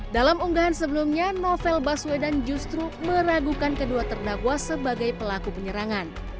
dalam unggahan sebelumnya novel baswedan justru meragukan kedua terdakwa sebagai pelaku penyerangan